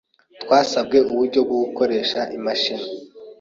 Twasabwe uburyo bwo gukoresha imashini.